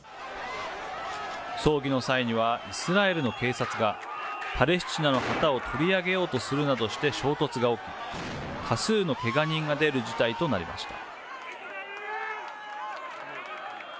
葬儀の際には、イスラエルの警察が、パレスチナの旗を取り上げようとするなどして衝突が起き、多数のけが人が出る事態となりました。